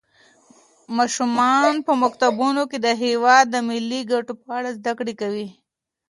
ماشومان په مکتبونو کې د هېواد د ملي ګټو په اړه زده کړه کوي.